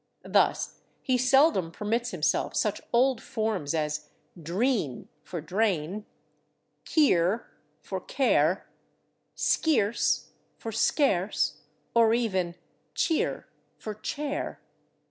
Thus he seldom permits himself such old forms as /dreen/ for /drain/, /keer/ for /care/, /skeerce/ for /scarce/ or even /cheer/ for /chair